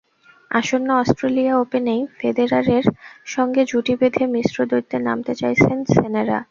আসন্ন অস্ট্রেলিয়া ওপেনেই ফেদেরারের সঙ্গে জুটি বেঁধে মিশ্র দ্বৈতে নামতে চাইছেন সেরেনা।